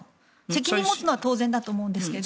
責任を持つのは当然だと思うんですが。